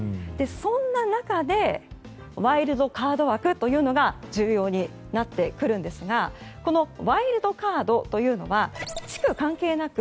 そんな中でワイルドカード枠というのが重要になってくるんですがこのワイルドカードというのは地区関係なく